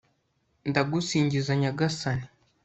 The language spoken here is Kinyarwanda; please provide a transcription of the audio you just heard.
ndagusingiza nyagasani